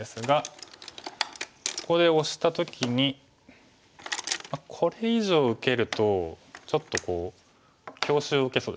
ここでオシた時にこれ以上受けるとちょっと強襲を受けそうですよね。